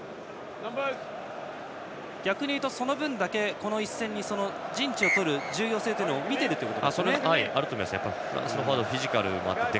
逆に言うとこの一戦に陣地をとる重要性を見ているということですね。